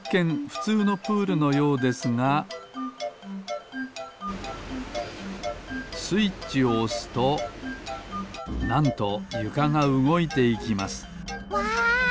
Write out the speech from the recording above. ふつうのプールのようですがスイッチをおすとなんとゆかがうごいていきますわ！